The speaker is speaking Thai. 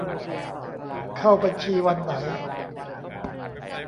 เข้าบัญชีวันไหน